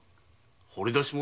掘り出し物？